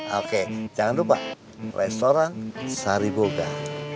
oke jangan lupa restoran sariboga